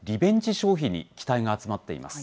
消費に期待が集まっています。